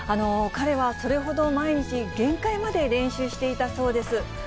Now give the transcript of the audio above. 彼はそれほど毎日限界まで練習していたそうです。